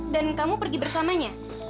dan kamu pergi bersamanya